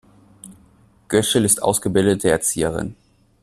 Göschl ist ausgebildete Erzieherin.